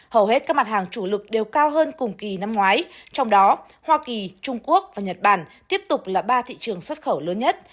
hầu hết các mặt hàng chủ lực đều cao hơn cùng kỳ năm ngoái trong đó hoa kỳ trung quốc và nhật bản tiếp tục là ba thị trường xuất khẩu lớn nhất